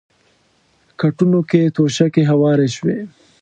کټونو کې توشکې هوارې شوې.